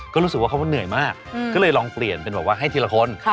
ก็รู้สึกว่าเขาเหนื่อยมากก็เลยลองเปลี่ยนเป็นแบบว่าให้ทีละคน